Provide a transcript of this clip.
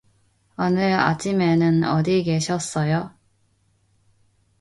오늘 아침에는 어디 계셨어요?